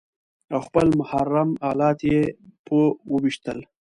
او خپل محرم الات يې په وويشتل.